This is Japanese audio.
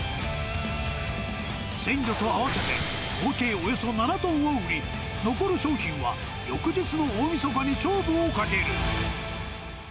鮮魚と合わせて、合計およそ７トンを売り、残る商品は翌日の大みそかに勝負をかける。